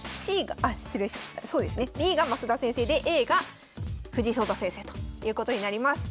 Ｂが升田先生でＡが藤井聡太先生ということになります。